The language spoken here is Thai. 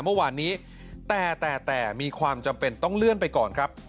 เมื่อวานนี้แต่แต่มีความจำเป็นต้องเลื่อนไปก่อนครับ